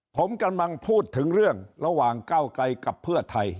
ผมกำลังพูดถึงเรื่องระหว่างก้าวไกลกับเพื่อไทย